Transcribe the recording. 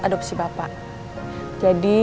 adopsi bapak jadi